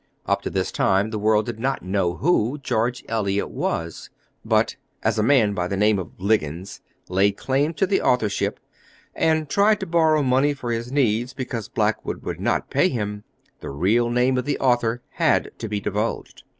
Up to this time the world did not know who George Eliot was; but as a man by the name of Liggins laid claim to the authorship, and tried to borrow money for his needs because Blackwood would not pay him, the real name of the author had to be divulged.